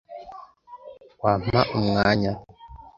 Wampa umwanya?